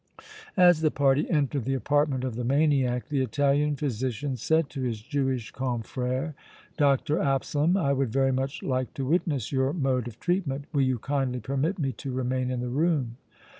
As the party entered the apartment of the maniac the Italian physician said to his Jewish confrère: "Dr. Absalom, I would very much like to witness your mode of treatment. Will you kindly permit me to remain in the room?"